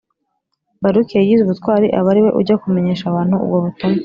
Baruki yagize ubutwari aba ari we ujya kumenyesha abantu ubwo butumwa